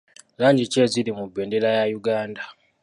Langi ki eziri mu bendera ya Uganda?